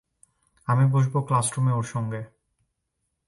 আমি বসব ক্লাসরুমে ওর সঙ্গে।